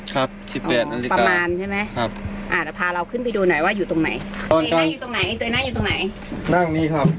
กัตต้อยนั่งนี่แล้วใครอีก